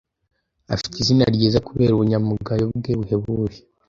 Afite izina ryiza kubera ubunyangamugayo bwe buhebuje.